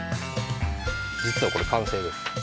じつはこれ完成です。